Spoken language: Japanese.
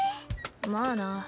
まあな。